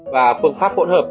và phương pháp phổn hợp